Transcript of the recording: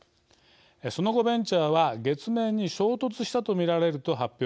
その後、ベンチャーは月面に衝突したと見られると発表。